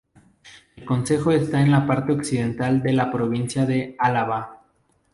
El concejo está en la parte occidental de la provincia de Álava.